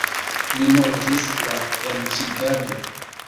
Li mortis la en Ĉikago.